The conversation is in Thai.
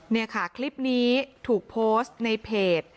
นี่ค่ะคลิปนี้ถูกโพสต์ในเพจ